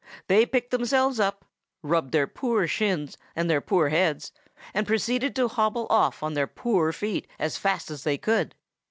They picked themselves up, and rubbed their poor shins and their poor heads, and proceeded to hobble off on their poor feet as fast as they could.